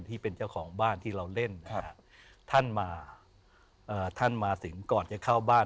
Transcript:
ที่เป็นเจ้าของบ้านที่เราเล่นนะฮะท่านมาท่านมาถึงก่อนจะเข้าบ้าน